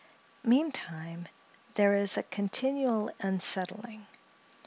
Meantime, there is a continual unsettling.